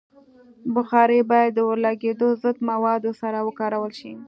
بخاري باید د اورلګیدو ضد موادو سره وکارول شي.